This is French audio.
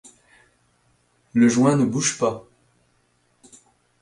Le joint ne bouge pas.